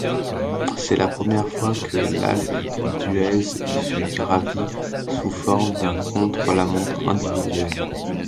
C'est la première fois que l'Alpe d'Huez fut gravie sous forme d'un contre-la-montre individuel.